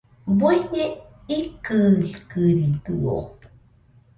¿Bueñe ikɨikɨridɨo?